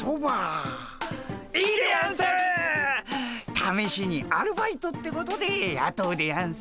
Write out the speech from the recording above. ためしにアルバイトってことでやとうでやんす。